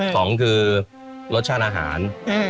สองคือรสชาติอาหาร